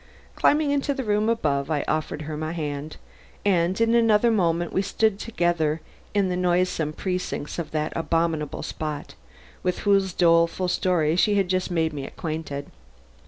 Climbing into the room above, I offered her my hand, and in another moment we stood together in the noisome precincts of that abominable spot, with whose doleful story she had just made me acquainted.